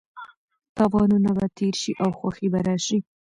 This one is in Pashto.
تاوانونه به تېر شي او خوښي به راشي.